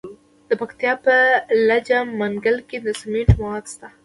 د پکتیا په لجه منګل کې د سمنټو مواد شته.